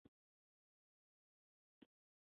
ګاونډی د ګاونډي له میوې حق لري.